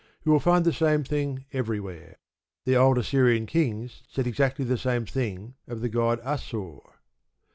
You find the same thing everywhere. The old Assyrian kings said exactly the same thing of the god Assur.